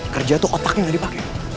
kerja tuh otaknya gak dipake